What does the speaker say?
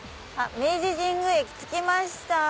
明治神宮前駅着きました。